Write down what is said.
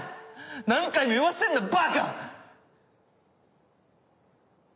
何回も言わせんなばか！